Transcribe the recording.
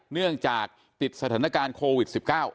เนื่องจากติดสถานการณ์โควิด๑๙